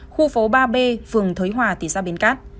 khu phố ba b phường thới hòa tỉ xa bến cát